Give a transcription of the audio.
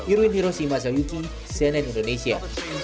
irwin hiroshima zoyuki cnn indonesia